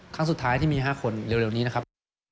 ครั้งสุดท้ายที่มี๕คนเร็วนี้นะครับ